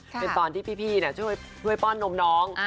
เป็นตอนที่พี่ช่วยป้อนนมน้อง